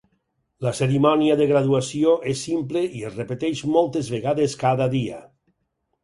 La cerimònia de graduació és simple i es repeteix moltes vegades cada dia.